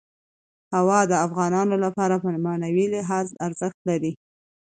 هوا د افغانانو لپاره په معنوي لحاظ ارزښت لري.